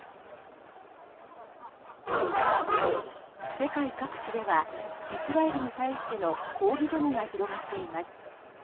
世界各地ではイスラエルに対しての抗議デモが広がっています。